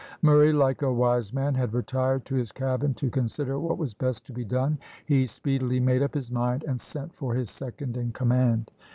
Murray, like a wise man, had retired to his cabin to consider what was best to be done. He speedily made up his mind, and sent for his second in command.